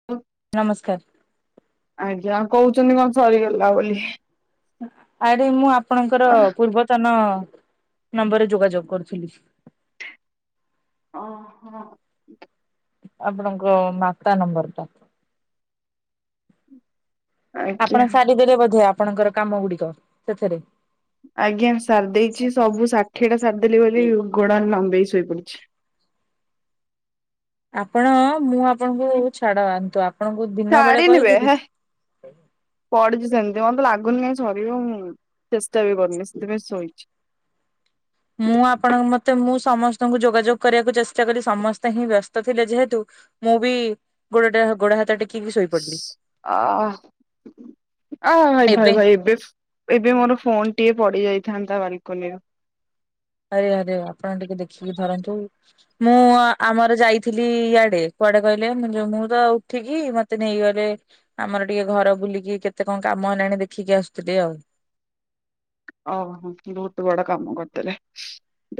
[inaudible] ନମସ୍କାର ଆଜ୍ଞା ଆଉ କହୁଛନ୍ତି କଣ ସରିଗଲା ବୋଲି। ଆରେ ମୁଁ ଆପଣଙ୍କର ପୂର୍ବତନ ନମ୍ବରରେ ଯୋଗାଯୋଗ କରୁଥିଲି। ଓହୋ। ଆପଣଙ୍କ ମାତା ନମ୍ବର ଟା ଆଜ୍ଞା। ଆପଣ ସାରିଦେଲେ ବୋଧେ ଆପଣଙ୍କର କାମ ଗୁଡିକ ସେଥିରେ। ଆଜ୍ଞା ସାରି ଦେଇେଇଛି ସବୁ ଷାଠିଏ ଟା ସାରିଦେଲି ବୋଲି ଗୋଡ ଲମ୍ବେେଇ ଶୋଇପଡିଛି। ଆପଣ ମୁଁ ଆପଣଙ୍କୁ ଛାଡ ଆନ୍ତୁ ଆପଣଙ୍କୁ ଦିନ ବେଳେ କହିଥିଲଥିଲି। ପଡିଚି ସେମିତି ମତେ ଲାଗୁନି କାଇଁ ସରିବ। ମୁଁ ଚେଷ୍ଟା ବି କରୁନି ସେଥିପାଇଁ ଶୋଇଛି। ମୁଁ ଆପଣଙ୍କ ମତେ ମୁଁ ସମସ୍ତଙ୍କୁ ଯୋଗାଯୋଗ କରିବାକୁ ଚେଷ୍ଟା କଲି ସମସ୍ତେ ହିଁ ବ୍ୟସ୍ତ ଥିଲେ। ଯେହେତୁ ମୁଁ ବି ଗୋଡଟା ଗୋଡ ହାତ ଟେକି ଆହା ଆ ଭାଇ ଭାଇ ଭାଇ ଏବେ ଏବେ ମୋର ଫୋନ ଟିଏ ପଡି ଯାଇଥାନ୍ତା ବାଲକୋନି ଆରେ ଆରେ ଆପଣ ଟିକେ ଦେଖିକି ଧରନ୍ତୁ। ମୁଁ ଆମର ଯାଇଥିଲି ଇଆଡେ କୁଆଡେ କହିଲେ ମୁଁ ମୁଁ ତ ଉଠିକି ମତେ ନେଇଗଲେ ଆମର ଟିକେ ଘର ବୁଲିକି କେତେ କଣ କାମ ହେଲାଣି ଦେଖିକି ଆସୁ ଥିଲି। ଆଉ ଓହୋ ବହୁତ ବଡ କାମ କରିଦେଲେ।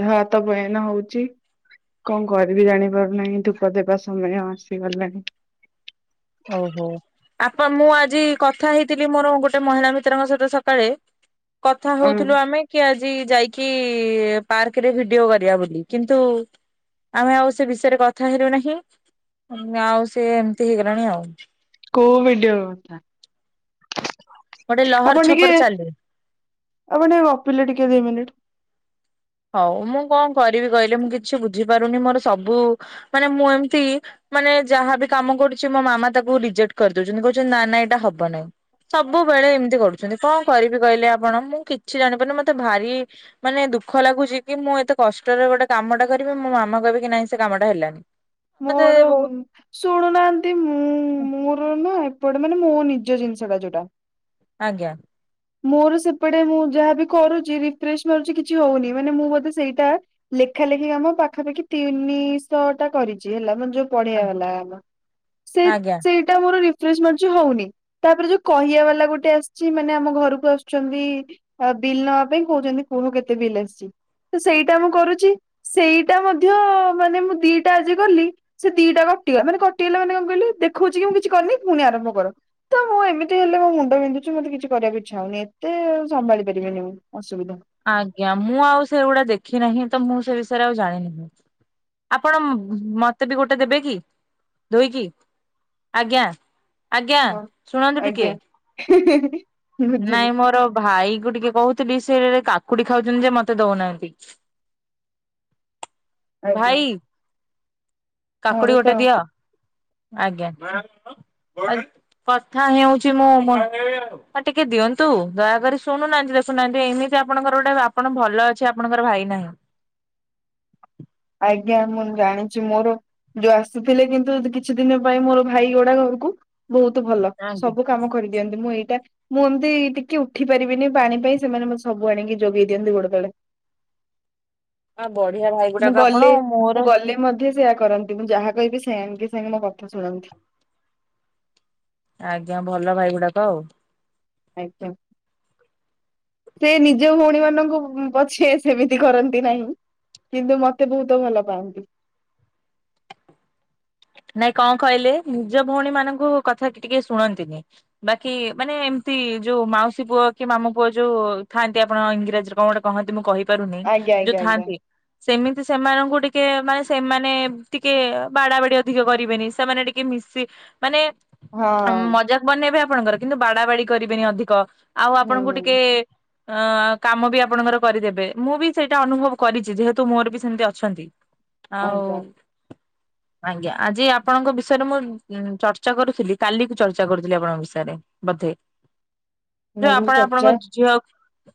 ଦେହ ହାତ ପେନ ହଉଚି? କଣ କରିବି ଜାଣିପାରୁନାହିଁ ଧୂପ ଦେବା ସମୟ ଆସିଗଲାଣି। ହଉ ହଉ। ଆପ ମୁଁ ଆଜି କଥା ହେଇଥିଲି ମୋର ଗୋଟେ ମହିଳା ମିତ୍ରଙ୍କ ସହିତ ସକାଳେ କଥା ଅଁ ହଉଥିଲୁ ଆମେ କି ଆଜି ଯାଇକି ପାର୍କରେ ଭିଡିଓ କରିବା ବୋଲି କିନ୍ତୁ ଆମେ ଆଉ ସେ ବିଷୟରେ କଥା ହେଲୁ ନାହିଁ। ଆଉ ସେ ଏମିତି ହେଇଗଲାଣି ଆଉ କୋଉ ଭିଡିଓ? ଗୋଟେ ଲହର ଆପଣ ଟିକେ ଛପର ଚାଲୁ। ଆଉଣ ଗପିଲେ ଟିକେ ଦି ମିନିଟି ହଉ ମୁଁ କଣ କରିବି କହିଲେ ମୁଁ କିଛି ବୁଝିପାରୁନି ମୋର ସବୁ ମାନେ ମୁଁ ଏମିତି ମାନେ ଯାହାବି କାମ କରୁଛି ମୋ ମାମା ତାକୁ ରିଜେକ୍ଟ କରିଦଉଛନ୍ତି କହୁଛନ୍ତି ନା ନା ଏଇଟା ହବ ନାହି। ସବୁବେଳେ ଏମିତି କରୁଛନ୍ତି। କ କରିବି କହିଲେ ଆପଣ ମୁଁ କିଛି ଜାଣିପାରୁନି। ମତେ ଭାରି ମାନେ ଦୁଃଖ ଦୁଃଖ ଲାଗୁଛି କି ମୁଁ ଏତେ କଷ୍ଟରେ ଗୋଟେ କାମଟା କରିବି ମୋ ମାମା କହିବି କି ନାହିଁ ସେ କାମଟା ହେଲାନି। ମତେ ମୋର ବହୁତ ଶୁଣୁନାହାନ୍ତି ମୁଁ ମୋର ନା ଏପଟେ ମାନେ ମୋ ନିଜ ଜିନିଷ ଟା ଯୋଉଟା ଆଜ୍ଞା ମୋର ସେପଟେ ମୁଁ ଯାହାବି କରୁଛି ରିଫ୍ରେଶ ମଛି କିଛି ହଉନି। ମାନେ ମୁଁ ବୋଧେ ସେଇଟା ଲେଖା ଲେଖି କାମ ପାଖାପାଖି ତିନିଶହ ଟା କରିଛି। ହେଲା ମାନ ଯୋଉ ପଢିଆ ବାଲା ହେଲା। ସେ ଆଜ୍ଞା। ସେ ସେଟା ମୋର ରିଫ୍ରେଶ ମାରୁଛି ହଉନି। ତା ପରେ ଯୋଉ କହିବାଲା ଗୋଟେ ଆସିଛି ମାନେ ଆମ ଘ କୁ ଆସୁଛନ୍ତି ବିଲ୍ ନବା ପାଇଁ। କହୁଛନ୍ତି କୁହ କେତେ ବିଲ୍ ଆସିଛି? ତ ସେଇଟା ମୁଁ କରୁଛି। ସେଇଟା ମଧ୍ୟ ମାନେ ମୁଁ ଦିଟା ଆଜି କଲି ସେ ଦିଟା କଟିଗ ମାନେ କଟିଗଲା ମାନେ କଣ କହିଲେ ଦେଖଉଛି କି ମୁଁ କିଛି କରିନି ପୁଣି ଆରମ୍ଭ କର ତ ମୁଁ ଏମିତି ହେଲେ ମୋ ମୁଣ୍ଡ ବିନ୍ଧୁଛି ମତେ କିଛି କରିବା ଇଛା ହୁଏ ଏତେ ସମ୍ଭାଳି ପାରିବିନି ଅସୁବିଧା। ଆଜ୍ଞା ମୁଁ ଆଉ ସେଗୁଡା ଦେଖି ନାହିଁ ତ ମୁଁ ସେ ବିଷୟରେ ଆଉ ଜାଣିିନାହିଁ। ଆପଣ ମତେ ବି ଗୋଟେ ଦେବେ କି ଧୋଇକି ଆଜ୍ଞା ଆଜ୍ଞା ହଁ ଶୁଣନ୍ତୁ ଟିକେ ଆଜ୍ଞା ବୁଝିଲି ନାଇଁ ମୋର ଭାଇ କୁ ଟିକେ କହୁଥିଲି ସେ କାକୁଡି ଖାଉଛନ୍ତି ଯେ ମତେ ଦଉନାହାନ୍ତି। ଆଜ୍ଞା ଭାଇ ମୋର କାକୁଡି ଗୋଟେ ତ ଦିଅ ଆଜ୍ଞା। କଥା ହେଉଛି ମୋ ମ ହଁ ଟିକେ ଦିଅନ୍ତୁ ଦୟାକରି ଶୁଣୁନାହାନ୍ତି ଦେଖୁନାହାନ୍ତି ଏମିତି ଆପଣଙ୍କର ଗୋଟେ ଆପଣ ଭଲ ଅଛି ଆପଣଙ୍କର ଭାଇ ନାହିଁ। ଆଜ୍ଞା ମୁଁ ଜାଣିଛି ମୋର ଯୋଉ ଆସୁଥିଲେ କିନ୍ତୁ କିଛି ଦିନ ପାଇଁ ମୋର ଭାଇ ଗୋଡା ଘରକୁ ବହୁତ ଭଲ ଆଜ୍ଞା ସବୁ କାମ କରିଦିଅନ୍ତିୁ ମୁଁ ଏଇଟା ମୁଁ ଏମିତି ଟିକେ ଉଠି ପାରିବିନି ପାଣି ପାଇଁ ସେମାନେ ମ ସବୁ ଆଣିକି ଯୋଗେଇ ଦିଅନ୍ତି ଗୋଟେ ତଳେ। ଆ ବଢିଆ ଭାଇ ମୁଁ ଗୁଡାକ ଆପଣ ଗଲେ ମୋର ମୁଁ ଗଲେ ମଧ୍ୟ ସେୟା କରନ୍ତି ମୁଁ ଯାହା କହିବି ସେ ସାଙ୍ଗେ ସାଙ୍ଗେ ମୋ କଥା ଶୁଣନ୍ତି। ଆଜ୍ଞା ଭଲ ଭାଇ ଗୁଡାକ ଆଉ। ଆଜ୍ଞା। ସେ ନିଜ ଭଉଣୀ ମାନଙ୍କୁ ପଛେ ସେମିତି କରନ୍ତି ନାହିଁ। କିନ୍ତୁ ମତେ ବହୁତ ଭଲ ପାଆନ୍ତି। ନାଇଁ କଣ କହିଲେ ନିଜ ଭଉଣୀ ମାନଙ୍କୁ କଥା ଟିକେ ଶୁଣନ୍ତିନି। ବାକି ମାନେ ଏମତି ଯୋଉ ମାଉସୀ ପୁଅ କି ମାମୁ ପୁଅ ଯୋଉ ଥାଆନ୍ତି ଆପଣ ଇଂରାଜରେ କଣ ଗୋଟେ କହନ୍ତି ମୁଁ କହିପାରୁନି ଆଜ୍ଞା ଯୋଉ ଆଜ୍ଞା ଆଜ୍ଞା ଥାଆନ୍ତି ସେମିତି ସେମାନଙ୍କୁ ଟିକେ ମାନେ ସେମାନେ ଟିକେ ବାଡା ବାଡି ଅଧିକ କରିବେନି ସେମାନେ ଟିକେ ମିଶି ମାନେ ହଁ ମଜା ବନେଇବେ ଆପଣଙ୍କର କିନ୍ତୁ ବାଡା ବାଡି କରିବେନି ଅଧିକ ଆଉ ଆପଣଙ୍କୁ ଟିକେ ହୁଁ ଅ କାମ ବି ଆପଣଙ୍କର କରିଦେବେ ମୁଁ ବି ସେଇଟା ଅନୁଭବ କରିଛି ଯେହେତୁ ମୋର ବି ସେମିତି ଅଛନ୍ତି। ଆଉ ଆଜ୍ଞା ଆଜ୍ଞା ଆଜି ଆପଣଙ୍କ ବିଷୟରେ ମୁଁ ଉ ଚର୍ଚ୍ଚା କରୁଥିଲି କାଲି କ ଚର୍ଚ୍ଚା କରୁଥିଲି ଆପଣଙ୍କ ବିଷୟରେ। ବଧେ ମୁଁ ଯୋଉ ବି ଆପଣ ଚର୍ଚ୍ଚା ଆପଣଙ୍କ ଝିଅ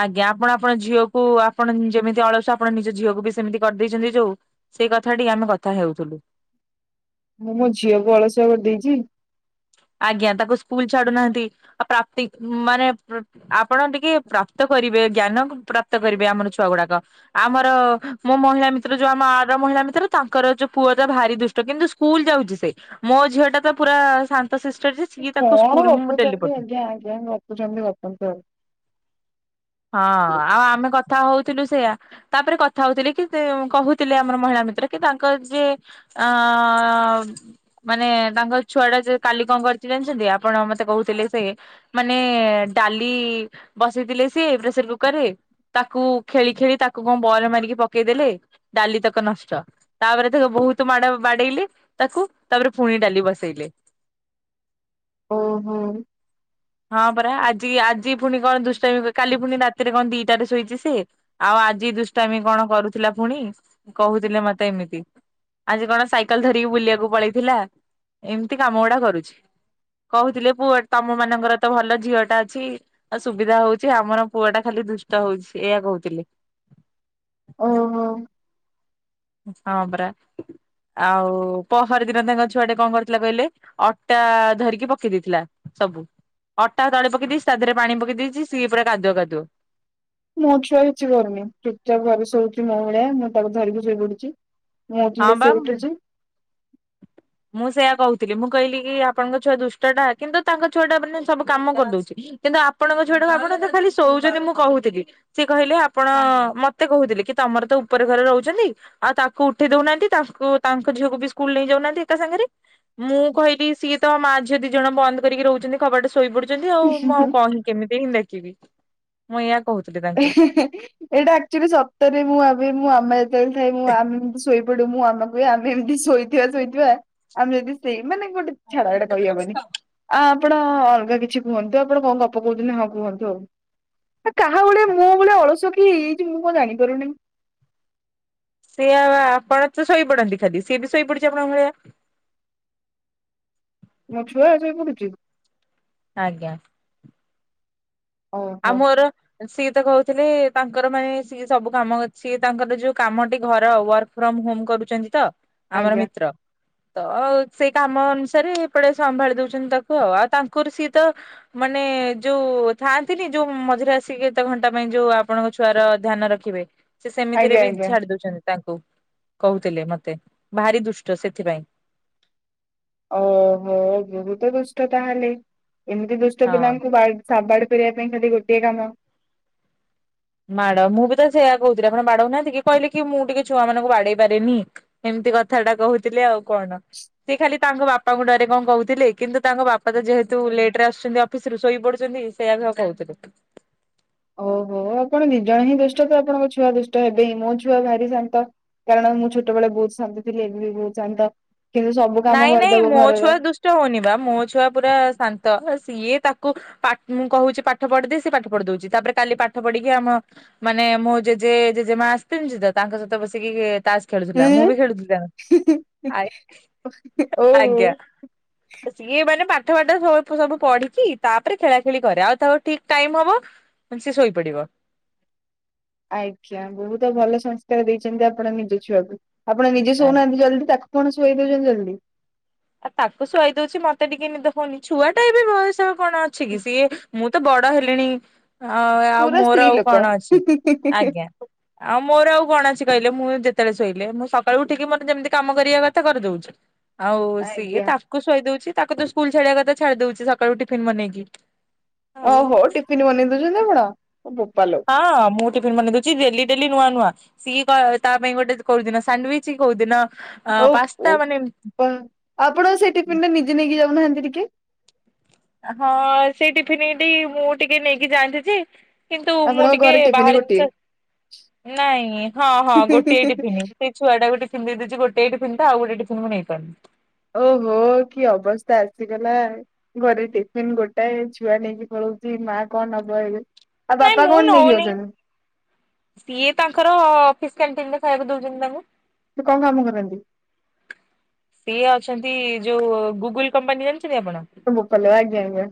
ଆଜ୍ଞା ଆପଣ ଆପଣ ଝିଅକୁ ଆପଣ ଯେମିତି ଅଳସୁଆ ଆପଣ ନିଜ ଝିଅକୁ ବି ସେମିତି କରିଦେଇଛନ୍ତି ଯୋଉ ସେଇ କଥାଟି ଆମେ କଥା ହେଉଥିଲୁ? ମୁଁ ମୋ ଝିଅକୁ ଅଳସୁଆ କରିଦେଇଛି? ଆଜ୍ଞା ତାକୁ ସ୍କୁଲ ଛାଡୁନାହାନ୍ତି ପ୍ରାପ୍ତି ମାନେ ଆପଣ ଟିକେ ପ୍ରାପ୍ତ କରିବେ ଜ୍ଞାନ ପ୍ରାପ୍ତ କରିବେ ଆମର ଛୁଆ ଗୁଡାକ। ଆମର ମୋ ମହିଳା ମିତ୍ର ଯୋଉ ଆମ ଆଡର ମହିଳା ମିତ୍ର ତାଙ୍କର ଯୋଉ ପୁଅ ଯ ଭାରି ଦୃ ଷ୍ଟ କିନ୍ତୁ ସ୍କୁଲ ଯାଉଛି ସେ ମୋ ଝିଅ ଟା ତ ପୁରା ଶାନ୍ତ ଶିଷ୍ଟ ଯେ ସିଏ ତାକୁ କଣ ସ୍କୁଲ ମୁଁ ଡେଲି ଗପୁଛନ୍ତି ପଠା ଆଜ୍ଞା ଆଜ୍ଞା ଗପୁଛନ୍ତି ଗପନ୍ତୁ ଆଉ। ହଁ ଆଉ ଆମେ କଥା ହଉଥିଲୁ ସେଇୟଆ। ତାପରେ କଥା ହଉଥିଲେ କି ସେ କହୁଥିଲେ ଆମର ମହିଳା ମିତ୍ର କି ତାଙ୍କ ଯିଏ ଆଁ ମାନେ ତାଙ୍କ ଛୁଆ ଟା ଯେ କାଲି କଣ କରି ଜଣିଛନ୍ତି ଆପଣ ମତେ କହୁଥିଲେ ସେ ମାନେ ଡାଲି ବସେଇଥିଲେ ସିଏ ପ୍ରେସର କୁକର ରେ ତାକୁ ଖେଳି ଖେଳି ତାକୁ କଣ ବଲ ମାରିକି ପକେଇଦେଲେ ଡାଲି ତକ ନଷ୍ଟ। ତାପରେ ତାକୁ ବହୁତ ମାଡ଼ ବାଡେଇଲେ ତାକୁ ତାପରେ ପୁଣି ଡାଲି ବସେଇଲେ। ଓହୋ। ହଁ ପରା ଆଜି ଆଜି ପୁଣି କଣ ଦୁଷ୍ଟାମୀ କାଲି ପୁଣି ରାତିରେ କଣ ଦିଟାରେ ଶୋଇଛି ସେ ଆଉ ଆଜି ଦୁଶଟାମି କଣ କରୁଥିଲା ପୁଣି। କହୁଥିଲେ ମତେ ଏମିତି। ଆଜି କଣ ସାଇକେଲ ଧରିକି ବୁଲିବାକୁ ପଳେଇଥିଲା ଏମିତି କାମ ଗୁଡା କରୁଛି। କହୁଥିଲେ ପୁଅ ତମ ମାନଙ୍କର ତ ଭଲ ଝିଅ ଟା ଅଛି ଆଉ ସୁବିଧା ହଉ ଚି ଆମର ପୁଅ ଟା ଖାଲି ଦୁଷ୍ଟ ହଉଛି ଏଇଆ କହୁଥିଲେ। ଓହୋ। ହଁ ପରା। ଆଉ ପହରଦିନ ତାଙ୍କ ଛୁଆଟେ କଣ କରିଥିଲା କହିଲେ ଅଟା ଧରିକି ପକେଇ ଦେଇଥିଲା। ସବୁ ଅଟା ତଳେ ପକେଇ ଦେଇେଇଛି ତା ଦେହରେ ପାଣି ପକେଇ ଦେଇଛି ସିଏ ପୁରା କାଦୁଅ କାଦୁଅ। ମୋ ଛୁଆ କିଛି କରୁନି ଠିକ ଠାକ ଘରେ ଶୋଉଛି ମୋ ଭଳିଆ ମୁଁ ତାକୁ ଧରିକି ଶୋଇ ପଡୁଛି। ମୁଁ ହଁ ଉଠିଲେ ସିଏ ବା ଉଠୁଛି। ମୁଁ ସେଇୟା କହୁଥିଲି ମୁଁ କହିଲି କି ଆପଣଙ୍କ ଛୁଆ ଦୁଷ୍ଟଟା କିନ୍ତୁ ତାଙ୍କ ଛୁଆଟା ମାନେ ସବୁ କାମ କରିଦଉଛି। କିନ୍ତୁ ଆପଣଙ୍କ ଛୁଆଟକୁ ଆପଣ ତ ଖାଲି ଶୋଉଛନ୍ତି ମୁଁ କହୁଥିଲି। ସିଏ କହିଲେ ଆପଣ ମତେ କହୁଥିଲେ କି ତମର ତ ଉପରେ ଘରେ ରହୁଛନ୍ତି ଆଉ ତାକୁ ଉଠେଇ ଦଉନାହାନ୍ତି ତାଙ୍କୁ ତାଙ୍କ ଝିଅକୁ ବି ସ୍କୁଲ ସ୍କୁଲ ନେଇ ଯାଉନାହାନ୍ତି ଏକା ସାଙ୍ଗରେ ମୁଁ କହିଲି ସିଏ ତ ମା ଝିଅ ଦି ଜଣ ବନ୍ଦ କରିକି ରହୁଛନ୍ତି କବାଟ ଶୋଇପଡୁଛନ୍ତି ଆଉ ମୁଁ ଆଉ କଣ ହିଁ କେମିତି ହିଁ ନେବି ମୁଁ ଏଇଆ କହୁଥିଲି। ତାଙ୍କୁ। [unintelligible] ଏଇଟା ଆକ୍ଚୁଆଲି ସତରେ ମୁଁ ଭାବେ ମୁଁ ଆମେ ସେଓ ଖାଇବୁ ଆମ ଶୋଇପଡୁ ମୁଁ ଆମ ହୁଏଆମେ ଏମିତି ଶୋଇଥିବା ଶୋଇଥିବା ଆମେ ଯଦି ସେଇ ମାନେ ଗୋଟେ ଛାଡ ଏଟା କହିହବନି। ଆ ଆପଣ ଅଲଗା କିଛି କୁହନ୍ତୁ ଆପଣ କଣ ଗପ କହୁଛନ୍ତି ହଁ କୁହନ୍ତୁ ଆଉ କା ତା ଗୋଟେ ମୋ ଭଳିଆ ଗୋଟେ ଅଳସୁଆ ହେଇଯାଇଛି କଣ ଜାଣିପାରୁନି। ସିଏ ଆପଣ ତ ଶୋଇ ପଡନ୍ତି ଖାଲି ସିଏ ବି ଶୋଇ ପଡିଛି ଆପଣଙ୍କ ଭଳିଆ। ମୋ ଛୁଆ ଶୋଇପଡୁଛି। ଆଜ୍ଞା। ଆ ଓହୋ ମର ସିଏ ତ କହୁଥିଲେ ତାଙ୍କର ମାନେ ସିଏ ସବୁ କାମ ଅଛି ତାଙ୍କର ଯୋଉ କାମଟି ଘର ୱାର୍କ ଫ୍ରମ ହୋମ କରୁଛନ୍ତି ତ ଆମର ଆଜ୍ଞା ମିତ୍ର। ତ ଆଉ ସେ କାମ ଅନୁସାରେ ଏପଟେ ସମ୍ଭାଳି ଦଉଛନ୍ତି ତାକୁ ଆଉ ଆଉ ତାଙ୍କର ସିଏ ତ ମାନେ ଯୋଉ ଥାନ୍ତି ଆସନ୍ତିନି ଯୋଉ ମଝିରେ ଆସିକି କେତେ ଘଣ୍ଟା ପାଇଁ ଯୋଉ ଆପଣଙ୍କ ଛୁଆର ଧ୍ୟାନ ରଖିବେ। ସେ ସେମିତିରେ ଆଜ୍ଞା ବି ଆଜ୍ଞା ଛାଡି ଦଉଛନ୍ତି ତାଙ୍କୁ କହୁଥିଲେ ମତେ ଭାରି ଦୁଷ୍ଟ ସେଥିପାଇଁ। ଓହୋ ବହୁତ ଦୁଷ୍ଟ ତାହେଲେ ଏମିତି ଦୁଷ୍ଟ ହଁ। ପିଲାଙ୍କୁ ବାଡି ସାବାଡ କରିବା ପାଇଁ ଖାଲି ଗୋଟିଏ କାମ। ମାଡ ମୁଁ ବି ତ ସେୟା କହୁଥିଲି ଆପଣ ବାଡଉନାହାନ୍ତି କି ଟିକେ କହିଲେ କି ମୁଁ ଟିକେ ଛୁଆ ମାନଙ୍କୁ ବାଡେଇ ପାରେନି। ଏମିତି କଥା ଟା କହୁଥିଲି ଆଉ କଣ? ସେ ଖାଲି ତାଙ୍କ ବାପାଙ୍କୁ ଡରେ କଣ କହୁଥିଲେ କିନ୍ତୁ ତାଙ୍କ ବାପା ତ ଯେହେତୁ ଲେଟରେ ଆସୁଛନ୍ତି ଅଫିସ ଅଫିସରୁ ଶୋଇ ପଡୁଛନ୍ତି ସେଇଆ ବି କହୁଥିଲେ। ଓହୋ ଆପଣ ଦି ଜଣ ହିଁ ଦୁଷ୍ଟ ତ ଆପଣଙ୍କ ଛୁଆ ଦୁଷ୍ଟ ହେବେ ହି ମୋ ଛୁଆ ଭାରି ଶାନ୍ତ। କାରଣ ମୁଁ ଛୋଟବେଳେ ବହୁତ ଶାନ୍ତ ଥିଲି ଏବେ ବି ବହୁତ ଶାନ୍ତ କିନ୍ତୁ ସବୁ କାମ ନାଇଁ ନାଇଁ କରିଦବ ମୋ ଛୁଆ ଘରର। ଦୁଷ୍ଟ ହଉନି ବା ମୋ ଛୁଆ ପୁରା ଶାନ୍ତ ସିଏ ତାକୁ ପାଠ ମୁଁ କହୁଛି ପାଠ ପଢିଦେ ସେ ପାଠ ପଢି ଦଉଛି ତାପରେ କାଲି ପାଠ ପଢିକି ଆମ ମାନେ ମୁଁ ଜେଜେ ଜେଜେମା ଆସିଥିଲି ତ ତାଙ୍କ ସହିତ ବସିକି ତାସ ହୁଁ ଖେଳୁଥିଲା ମୁଁ ବି ଖେଳୁଥିଲି ଆଇ ଓହୋ। ସିଏ ମାନେ ପାଠ ପାଠ ସବୁ ପଢିଛିି ତାପରେ ଖେଳା ଖେଳି କରେ ଆଉ ତାକୁ ଠିକ ଟାଇମ ହବ। ମାନେ ସେ ଶୋଇପଡ଼ିବ। ଆଜ୍ଞା ବହୁତ ଭଲ ସଂସ୍କାର ଦେଇଛନ୍ତି ଆପଣ ନିଜ ଛୁଆକୁ ଆପଣ ନିଜେ ଆଜ୍ଞା। ଶୋଉନାହାନ୍ତି ଜଲ୍ଦି ତାକୁ କଣ ଶୋଇ ଦଉଛନ୍ତି ଜଲଦି। ଆଉ ତାକୁ ଶୁଆଇ ଦଉଛି ମତେ ଟିକେ ନିଦ ହଉନି ଛୁଆଟା ବି ବୟସ କଣ ଅଛି କି ସିଏ ମୁଁ ତ ବଡ ହେଲିଣି ଆଉ ପୁରା ମୋର ସ୍ତ୍ରୀ ଆଉ ଲୋକ କଣ ଅଛି। ଆଉ ମୋର ଆଉ କଣ ଅଛି କହିଲେ। ମୁଁ ଯେତେବେଳେ ଶୋଇଲେ ମୁଁ ସକାଳୁଉଠିକି ମୋର ଯେମିତି କାମ କରିବା କଥା କରିଦଉଛି। ଆଉ ସିଏ ଆଜ୍ଞା। ତାକୁ ଶୋଇ ଦଉଛି। ତାକୁ ତ ସ୍କୁଲ ଛାଡିବା କଥା ଛାଡି ଦଉଛି ସକାଳୁ ଟିଫିନ ବନେଇକି। ଓ ଆଉ ହୋ ଟିଫନ୍ ବନେଇ ଦଉଛନ୍ତି ଆପଣ! ବୋପାଲୋ ହଁ ମୁଁ ଟିଫିନ୍ ବନେଇ ଦଉଛି। ଡେଲି ଡେଲି ନୂଆ ନୂଆ। ସିଏ ଙ୍କ ତା ପାଇଁ ଗୋଟେ କୋଉଦିନ ସାଣ୍ଡୱିଚ କୋଉଦିନ ଓ ହୋ ବୋପା ଆପଣ ସେଇ ଟିଫିନରେ ନିଜେ ନେଇକି ଯାଉନାହାନ୍ତି ଟିକେ ହଁ ସେ ଟିଫିନଟି ମୁଁ ଟିକେ ନେଇକି ଯାନ୍ତିଯେ କିନ୍ତୁ ମୁଁ ଆପଣଙ୍କ ଟିକେ ଘରେ ଟିଫିନ ବାହାରାରେ ଗୋଟିଏ ଜିନିଷ। ନାଇଁ ହଁ ହଁ ଗୋଟିଏ ଟି ଫିନି ଛୁଆଟାକୁ ଟିଫିନ ଦେଇଦଉଛି ଗୋଟାଏ ଟିଫିନ ତ ଆଉ ଗୋଟେ ଟିଫିନ ମୁଁ ନେଇପାରୁନି। ଓହୋ କି ଅବସ୍ଥା ଆସିଗଲା। ଘରେ ଟିଫିନ ଗୋଟାଏ ଛୁଆ ନେଇକି ପଳଉଛି ମା କଣ ନବ ଏବେ? ଆଉ ନାଇଁ ବାପା ମୁଁ କଣ ନେଇକି ନଉନି ଯାଉଛନ୍ତି? ସିଏ ତାଙ୍କର ଅଫିସ କ୍ୟାଣ୍ଟିନରେ ଖାଇବାକୁ ଦଉଛନ୍ତି ତାଙ୍କୁ। ସେ କଣ କାମ କରନ୍ତି? ସିଏ ଅଛନ୍ତି ଯୋଉ ଗୁଗୁଲ କମ୍ପାନୀ ଜାଣିଛନ୍ତି ଆପଣ ବୋପାଲେ ଆଜ୍ଞା-ଆଜ୍ଞା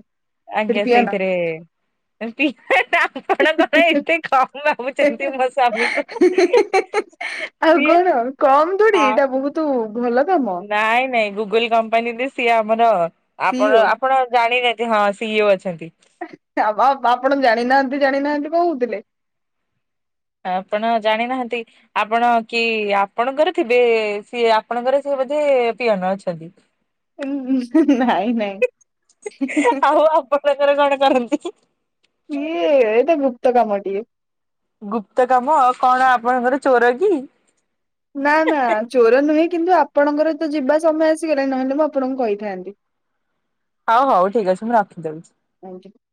ଆଜ୍ଞା ସେଇଥିରେ ପିିଲାଟା ଆପଣଙ୍କର ଏତେ କମ ଭାବୁଛନ୍ତି ମୋ ସ୍ଵାମୀକୁ ଆଉ ସିଏ କଣ କମ ଆ ଥୋଡି ବହୁତ ଭଲ କାମ। ନାଇଁ ନାଇଁ ଗୁଗୁଲ କମ୍ପାନୀରେ ସିଏ ଆମର ସିଓ ଆପଣ ଆପଣ ଜାଣିନେ ହଁ ସିଇଓ ଅଛନ୍ତି। ବା ଆପଣ ଜାଣିନାହାନ୍ତି ଜାଣିନାହାନ୍ତି କହୁଥିଲେ। ଆପଣ ଜାଣିନାହାନ୍ତି? ଆପଣ କି ଆପଣଙ୍କର ଥିବେ ସିଏ ଆପଣଙ୍କର ସିଏ ବୋଧେ ପିଅନ ଅଛନ୍ତି। [inaudible] ଉଁ ଉଁ ନାଇଁ ନାଇଁ [unintelligible] କରନ୍ତି। ଏଇ ଏଇତ ଗୁପ୍ତ କାମଟିଏ। ଗୁପ୍ତ କାମ କଣ ଆପଣଙ୍କର ଚୋର କି? ନା ନା ଚୋର ନୁହେଁ କିନ୍ତୁ ଆପଣଙ୍କର ତ ଯିବା ସମୟ ଆସିଗଲାଣି ନହେଲେ ମୁଁ ଆପଣଙ୍କୁ କହିଥାନ୍ତି। ହଉ ହଉ ଠିକ ଅଛି ମୁଁ ରଖିଦେଉଛି। [inaudible]